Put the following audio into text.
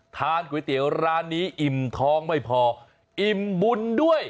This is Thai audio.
ทานก๋วยเตี๋ยวร้านนี้อิ่มท้องไม่พออิ่มบุญด้วย